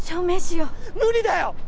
無理だよ！